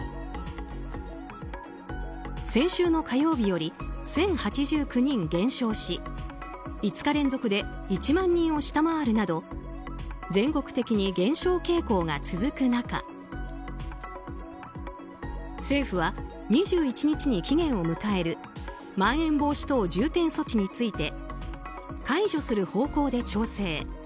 先週の火曜日より１０８９人減少し５日連続で１万人を下回るなど全国的に減少傾向が続く中政府は２１日に期限を迎えるまん延防止等重点措置について解除する方向で調整。